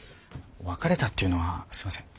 別れたっていうのはすいません